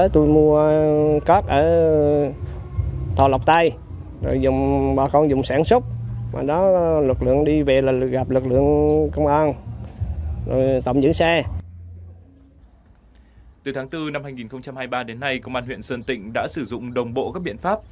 từ tháng bốn năm hai nghìn hai mươi ba đến nay công an huyện sơn tịnh đã sử dụng đồng bộ các biện pháp